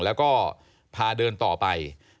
แล้วก็พาเดินต่อไป